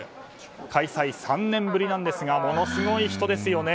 開催は３年ぶりなんですがものすごい人ですよね。